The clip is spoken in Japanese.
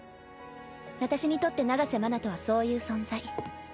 私にとって長瀬麻奈とはそういう存在。